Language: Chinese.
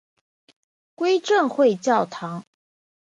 归正会教堂。